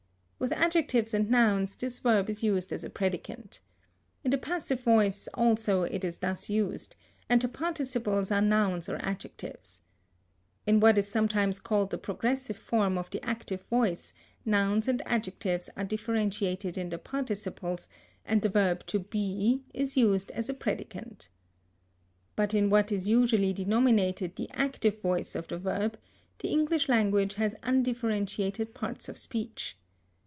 With adjectives and nouns this verb is used as a predicant. In the passive voice also it is thus used, and the participles are nouns or adjectives. In what is sometimes called the progressive form of the active voice nouns and adjectives are differentiated in the participles, and the verb "to be" is used as a predicant. But in what is usually denominated the active voice of the verb, the English language has undifferentiated parts of speech.